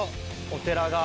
お寺が。